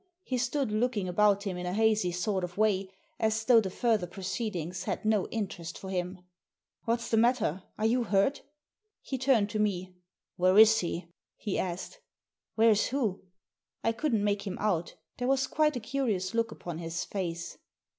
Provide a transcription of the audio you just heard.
He stood looking about him in a hazy sort of way, as though the further proceedings had no interest for him. « What's the matter ? Are you hurt ?*' He turned to me. •* Where is he ?" he asked. « Where's who?" I couldn't make him out There was quite a curious look upon his face.